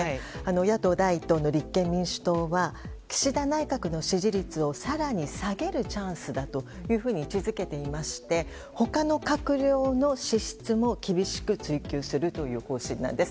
野党第１党の立憲民主党は岸田内閣の支持率を更に下げるチャンスだと位置づけていまして他の閣僚の資質も厳しく追及する方針なんです。